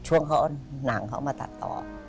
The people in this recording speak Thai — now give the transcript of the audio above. ช่วงเขานางเขามาตัดต่อ